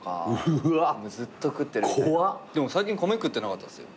でも最近米食ってなかったっすよ。